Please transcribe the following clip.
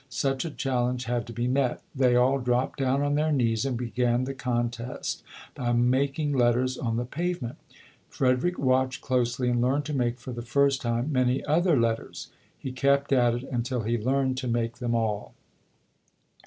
Such a challenge had to be met. They all dropped down on their knees and began the contest by making letters on 24 ] UNSUNG HEROES the pavement. Frederick watched closely and learned to make for the first time many other letters. He kept at it until he learned to make them all.